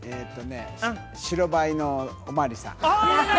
白バイのお巡りさん。